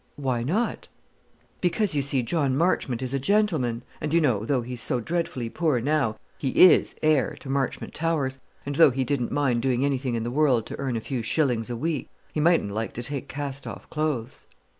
"Why not?" "Because, you see, John Marchmont is a gentleman; and, you know, though he's so dreadfully poor now, he is heir to Marchmont Towers. And though he didn't mind doing any thing in the world to earn a few shillings a week, he mightn't like to take cast off clothes."